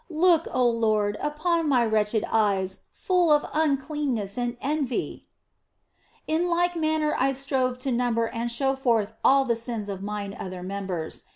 Look, oh Lord, upon my wretched eyes, full of uncleanness and envy !" In like manner I strove to number and show forth all the sins of mine other members.